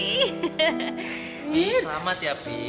selamat ya pi